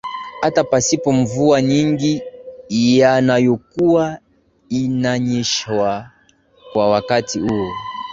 Hta pasipo mvua nyingi ianayokuwa inanyesha kwa wakati huo